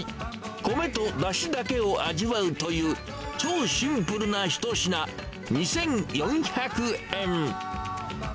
コメとだしだけを味わうという超シンプルな一品、２４００円。